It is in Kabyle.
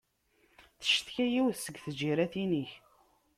Teccetka yiwet seg tǧiratin-ik.